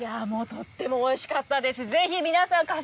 いや、もうとってもおいしかったです。